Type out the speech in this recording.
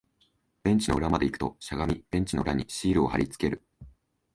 ベンチの裏まで行くと、しゃがみ、ベンチの裏にシールを貼り付ける